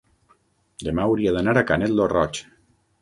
Demà hauria d'anar a Canet lo Roig.